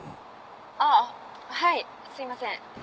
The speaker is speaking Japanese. あぁはいすみません。